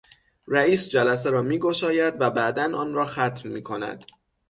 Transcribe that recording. رئیس جلسه را میگشاید و بعدا آنرا ختم میکند.